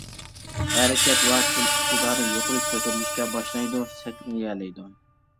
ھەرىكەت ۋە تىل ئىقتىدارى يۇقىرى كۆتۈرۈلۈشكە باشلايدۇ، سەكرىيەلەيدۇ.